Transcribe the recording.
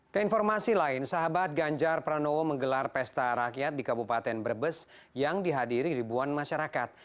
keinformasi lain sahabat ganjar pranowo menggelar pesta rakyat di kabupaten brebes yang dihadiri ribuan masyarakat